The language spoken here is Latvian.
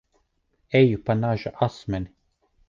Eju pa naža asmeni.